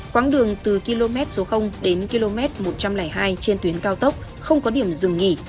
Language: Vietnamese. quãng đường từ km số đến km một trăm linh hai trên tuyến cao tốc không có điểm dừng nghỉ